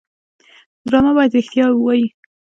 ډرامه باید رښتیا ووايي